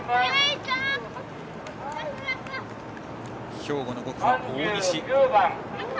兵庫の５区は大西。